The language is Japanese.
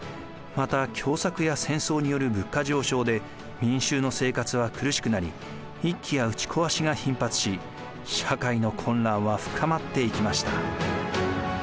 また凶作や戦争による物価上昇で民衆の生活は苦しくなり一揆や打ちこわしが頻発し社会の混乱は深まっていきました。